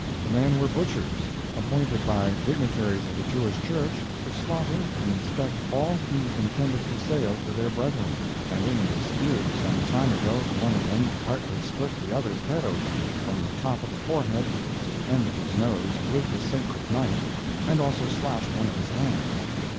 The men were butchers, appointed by dignitaries of the Jewish Church to slaughter and inspect all beef intended for sale to their brethren, and in a dispute some time ago, one of them partly split the other's head open, from the top of the forehead to the end of his nose, with the sacred knife, and also slashed one of his hands.